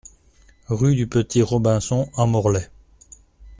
Rue du Petit Robinson à Morlaix